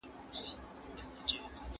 ډیپلوماټان چیري د ازادي سوداګرۍ خبري کوي؟